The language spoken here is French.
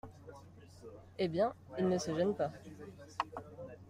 Eh bien, il ne se gène pas !